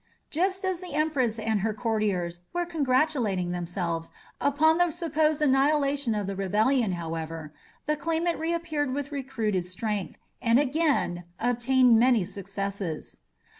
Just as the Empress and her courtiers were congratulating themselves upon the supposed annihilation of the rebellion, however, the claimant reappeared with recruited strength, and again obtained many successes.